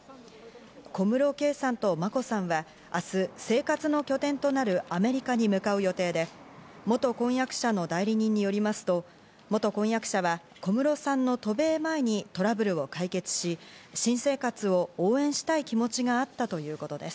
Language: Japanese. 小室圭さんと眞子さんは明日、生活の拠点となるアメリカに向かう予定で、元婚約者の代理人によりますと、元婚約者は小室さんの渡米前にトラブルを解決し、新生活を応援したい気持ちがあったということです。